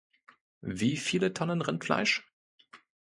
Wie viele Tonnen Rindfleisch?